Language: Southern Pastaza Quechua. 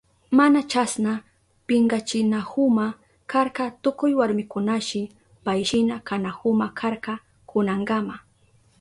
Mana chasna pinkachinahuma karka tukuy warmikunashi payshina kanahuma karka kunankama.